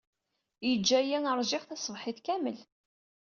Yejja-iyi ṛjiɣ taṣebḥit kamel.